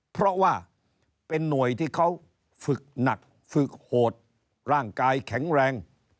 เพราะว่าเป็นหน่วยที่เขาฝึกหนักฝึกโหดร่างกายแข็งแรง